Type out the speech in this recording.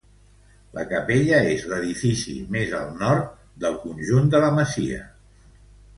La capella és l'edifici més al nord del conjunt de la masia.